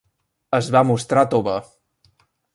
Es va mostrar tova.